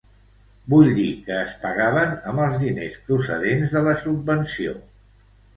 Vull dir que es pagaven amb els diners procedents de la subvenció.